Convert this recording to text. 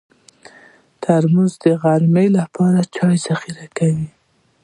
ترموز د غرمو لپاره چای ذخیره کوي.